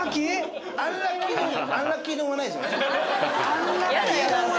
アンラッキー丼は。